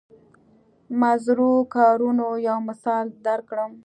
مضرو کارونو یو مثال درکړم.